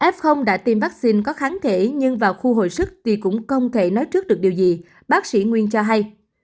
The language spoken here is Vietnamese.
f đã tiêm vaccine có kháng thể nhưng vào khu hồi sức thì cũng không thể nói trước được điều gì bác sĩ nguyên cho hay